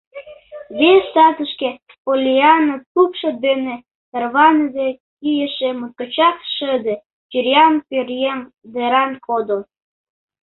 Вес татышке Поллианна тупшо дене тарваныде кийыше моткочак шыде чуриян пӧръеҥ деран кодо.